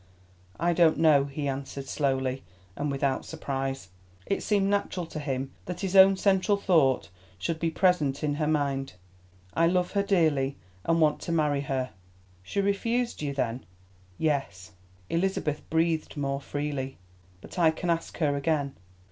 "I don't know," he answered slowly and without surprise. It seemed natural to him that his own central thought should be present in her mind. "I love her dearly, and want to marry her." "She refused you, then?" "Yes." Elizabeth breathed more freely. "But I can ask her again."